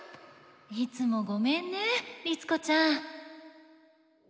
いつもごめんね律子ちゃん。